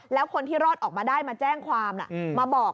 แล้วคนที่รอดออกมาได้มาแจ้งความมาบอก